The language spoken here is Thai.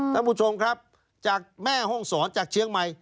ท่านผู้ชมครับจากแม่ห้องศรจากเชียงใหม่